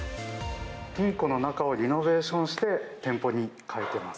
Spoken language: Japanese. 金庫の中をリノベーションして、店舗に変えてます。